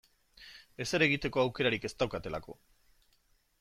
Ezer egiteko aukerarik ez daukatelako.